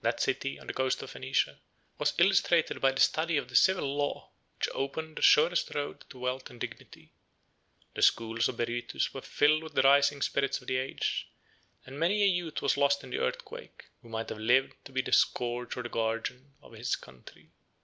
That city, on the coast of Phoenicia, was illustrated by the study of the civil law, which opened the surest road to wealth and dignity: the schools of Berytus were filled with the rising spirits of the age, and many a youth was lost in the earthquake, who might have lived to be the scourge or the guardian of his country.